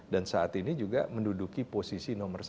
dan saat ini juga menduduki posisi yang tertinggi